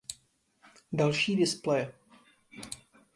Další displeje